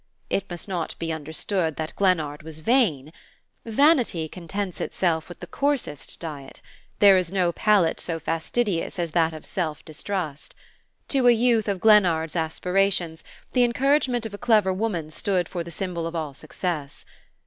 It must not be understood that Glennard was vain. Vanity contents itself with the coarsest diet; there is no palate so fastidious as that of self distrust. To a youth of Glennard's aspirations the encouragement of a clever woman stood for the symbol of all success.